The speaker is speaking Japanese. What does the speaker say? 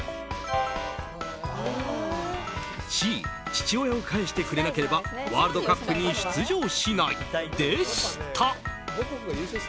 Ｃ、父親を返してくれなければワールドカップに出場しないでした。